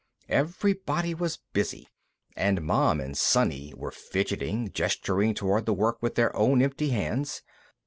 Everybody was busy, and Mom and Sonny were fidgeting, gesturing toward the work with their own empty hands.